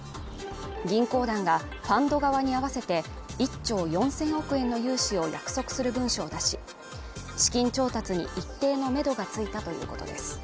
銀行団がファンド側に合わせて１兆４０００億円の融資を約束する文書を出し資金調達に一定のメドがついたということです